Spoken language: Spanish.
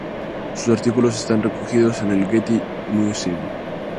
Sus artículos están recogidos en el Getty Museum.